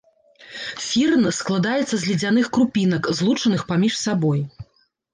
Фірн складаецца з ледзяных крупінак, злучаных паміж сабой.